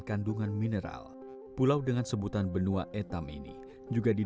sebutan ini turut disumbang oleh keberadaan kugus kars